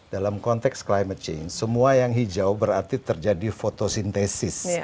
dalam konteks climate change semua yang hijau berarti terjadi fotosintesis